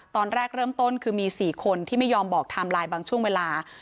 ตอนแรกเริ่มต้นคือมี๔คนที่ไม่ยอมบอกไทม์ไลน์บางช่วงเวลา